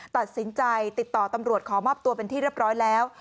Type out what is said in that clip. ตัดสินใจติดต่อตำรวจขอมอบตัวเป็นที่เรียบร้อยแล้ว